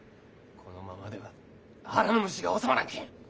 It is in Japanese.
・このままでは腹の虫が収まらんけん！